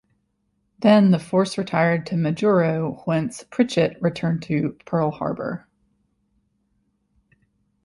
Then, the force retired to Majuro, whence "Prichett" returned to Pearl Harbor.